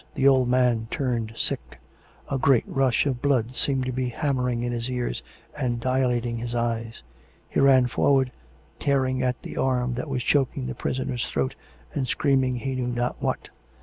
... The old man turned sick ... a great rush of blood seemed to be hammering in his ears and dilating his eyes. ... He ran forward^ tearing at the arm that was choking the prisoner's throat, and screaming he knew not what.